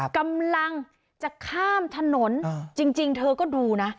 กำลังจะข้ามถนนจริงเธอก็ดูนะ